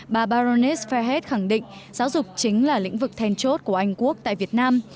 bà baroness fairhead khẳng định giáo dục chính là lĩnh vực thèn chốt của anh quốc tại việt nam